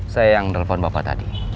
saya yang nelfon bapak tadi